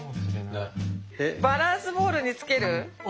バランスボールにつける？